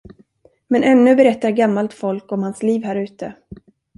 Men ännu berättar gammalt folk om hans liv här ute.